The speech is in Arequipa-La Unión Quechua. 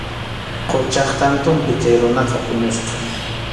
Quchap kantunpi chay runaqa puñusqa.